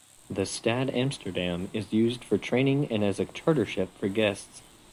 The "Stad Amsterdam" is used for training and as a charter-ship for guests.